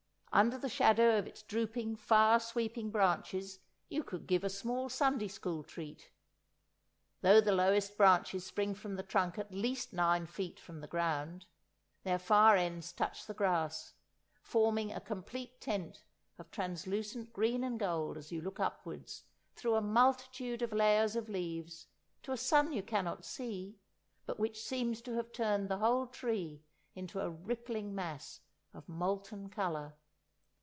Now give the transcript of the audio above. Under the shadow of its drooping far sweeping branches you could give a small Sunday school treat. Though the lowest branches spring from the trunk at least nine feet from the ground, their far ends touch the grass, forming a complete tent of translucent green and gold as you look upwards, through a multitude of layers of leaves, to a sun you cannot see, but which seems to have turned the whole tree into a rippling mass of molten colour.